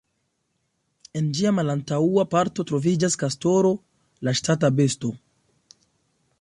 En ĝia malantaŭa parto troviĝas kastoro, la ŝtata besto.